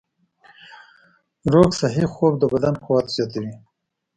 روغ صحي خوب د بدن قوت زیاتوي.